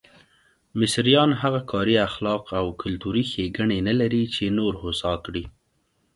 مصریان هغه کاري اخلاق او کلتوري ښېګڼې نه لري چې نور هوسا کړي.